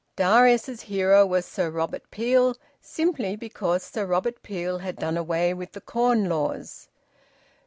Darius's hero was Sir Robert Peel, simply because Sir Robert Peel had done away with the Corn Laws.